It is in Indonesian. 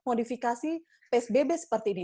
modifikasi psbb seperti ini